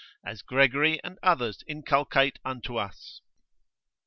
As Gregory and others inculcate unto us.